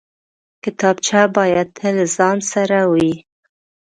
کتابچه باید تل له ځان سره وي